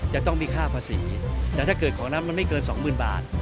จะต้องมีค่าภาษีแต่ถ้าเกิดของนั้นมันไม่เกินสองหมื่นบาท